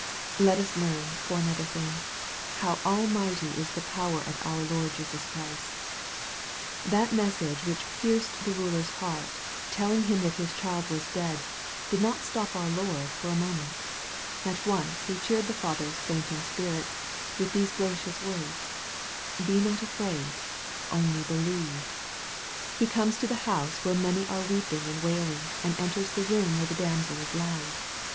Let us learn, for another thing, how almighty is the power of our Lord Jesus Christ. That message which pierced the ruler's heart, telling him that his child was dead, did not stop our Lord for a moment. At once he cheered the father's fainting spirits with these gracious words, " be not afraid, only believe." He comes to the house where many are weeping and wailing, and enters the room where the damsel is lying.